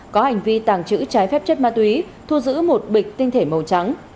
có hành vi tàng trữ trái phép chất ma túy thu giữ một bịch tinh thể màu trắng